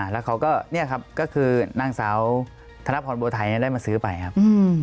แล้วเขาก็เนี่ยครับก็คือนางสาวธนพรบัวไทยได้มาซื้อไปครับ